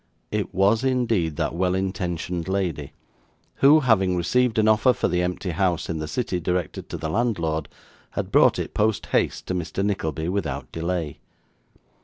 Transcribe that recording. It was, indeed, that well intentioned lady, who, having received an offer for the empty house in the city directed to the landlord, had brought it post haste to Mr. Nickleby without delay.